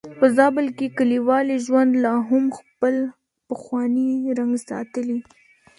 په زابل کې کليوالي ژوند لا هم خپل پخوانی رنګ ساتلی.